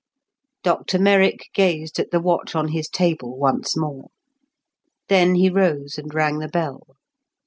Dr Merrick gazed at the watch on his table once more. Then he rose and rang the bell.